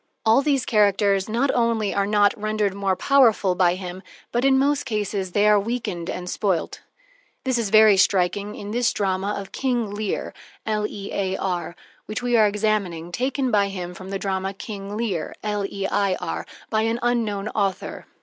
All these characters not only are not rendered more powerful by him, but, in most cases, they are weakened and spoilt. This is very striking in this drama of "King Lear," which we are examining, taken by him from the drama "King Leir," by an unknown author.